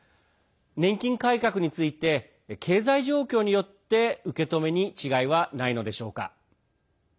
年金改革について経済状況によって受け止めに違いはないのでしょうか。